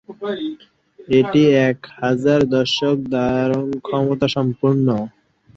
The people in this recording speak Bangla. এটি এক হাজার দর্শক ধারণক্ষমতা সম্পন্ন।